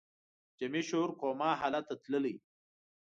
جمعي شعور کوما حالت ته تللی